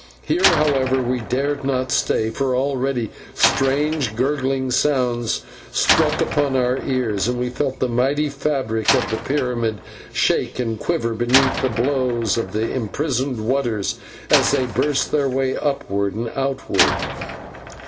Here, however, we dared not stay, for already strange gurgling sounds struck upon our ears, and we felt the mighty fabric of the pyramid shake and quiver beneath the blows of the imprisoned waters as they burst their way upward and outward.